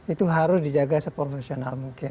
itu harus dijaga seprofesional mungkin